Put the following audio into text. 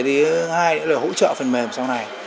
thứ hai là hỗ trợ phần mềm sau này